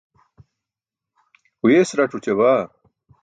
huyes rac̣ oća baa